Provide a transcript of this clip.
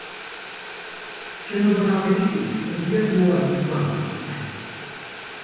შენობათა აგების სტილი ცნობილია გუარანის ბაროკოს სახელით.